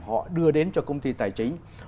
họ đưa đến cho công ty tài chính